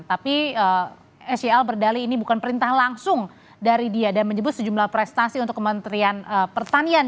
tapi sel berdali ini bukan perintah langsung dari dia dan menyebut sejumlah prestasi untuk kementerian pertanian